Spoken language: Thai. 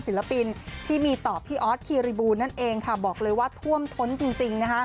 ศิลปินที่มีต่อพี่ออสคีรีบูลนั่นเองค่ะบอกเลยว่าท่วมท้นจริง